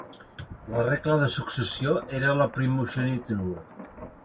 La regla de successió era la primogenitura.